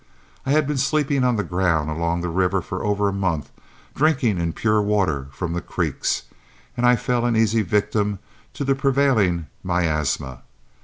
I had been sleeping on the ground along the river for over a month, drinking impure water from the creeks, and I fell an easy victim to the prevailing miasma.